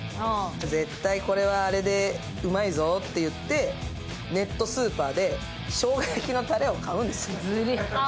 絶対これはうまいぞって言って、ネットスーパーでしょうが焼きのたれを買うんですよ。